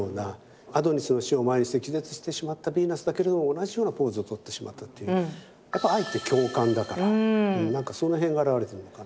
アドニスの死を前にして気絶してしまったヴィーナスだけれども同じようなポーズをとってしまったっていうやっぱり愛って共感だからなんかその辺が表れてるのかな。